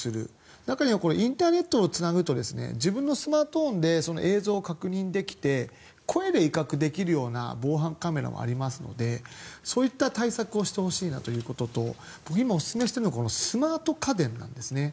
中にはインターネットをつなぐと自分のスマートフォンでその映像を確認できて声で威嚇できるような防犯カメラもありますのでそういった対策をしてほしいなということと今、おすすめしているのがスマート家電なんですね。